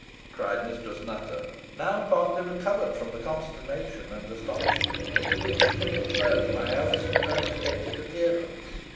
cried Mistress Nutter, now partly recovered from the consternation and astonishment into which she had been thrown by Alizon's unexpected appearance.